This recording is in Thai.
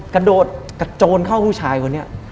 กระโดดกระโจนเข้าผู้ชายคนนี้